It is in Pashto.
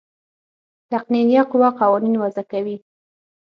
تقنینیه قوه قوانین وضع کوي.